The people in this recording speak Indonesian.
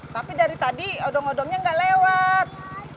tapi dari tadi odong odongnya nggak lewat